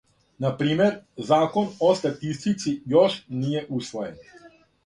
На пример, закон о статистици још није усвојен.